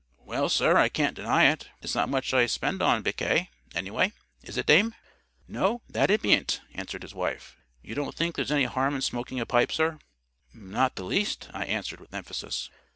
"Well, sir, I can't deny it. It's not much I spend on baccay, anyhow. Is it, dame? "No, that it bean't," answered his wife. "You don't think there's any harm in smoking a pipe, sir?" "Not the least," I answered, with emphasis.